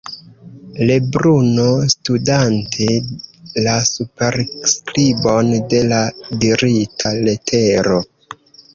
Lebruno, studante la superskribon de la dirita letero.